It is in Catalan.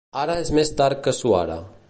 Ara és més tard que suara.